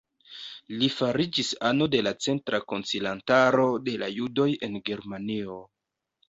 Li fariĝis ano de la Centra Koncilantaro de la Judoj en Germanio.